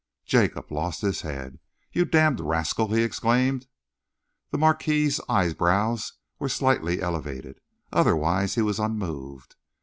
Jacob lost his head. "You damned rascal!" he exclaimed. The Marquis's eyebrows were slightly elevated. Otherwise he was unmoved.